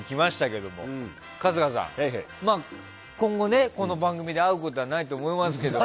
けども春日さん、今後この番組で会うことはないと思いますけど。